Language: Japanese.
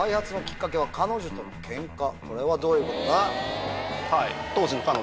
これはどういうことだ？